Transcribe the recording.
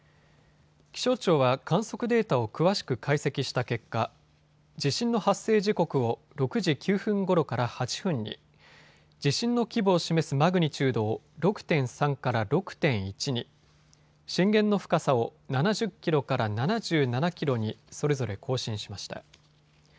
気象庁は観測データを詳しく解析した結果、地震の発生時刻を６時９分ごろから８分に、地震の規模を示すマグニチュードを６．３から６．１に、震源の深さを７０キロから７７キロにそれぞれ更新しました。